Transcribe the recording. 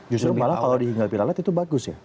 justru malah kalau dihinggapi lalat itu bagus ya